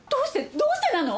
どうしてなの！？